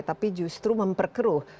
tapi justru memperkeruh